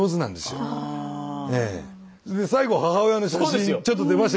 で最後母親の写真ちょっと出ましたけど。